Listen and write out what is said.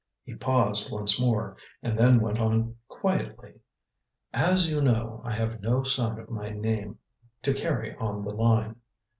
He paused once more, and then went on quietly: "As you know, I have no son of my name to carry on the line.